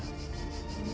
hamba dikutuk oleh soekarno